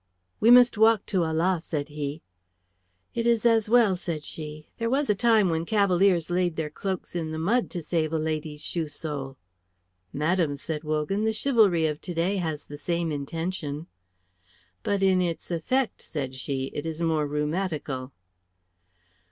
"We must walk to Ala," said he. "It is as well," said she. "There was a time when cavaliers laid their cloaks in the mud to save a lady's shoe sole." "Madam," said Wogan, "the chivalry of to day has the same intention." "But in its effect," said she, "it is more rheumatical."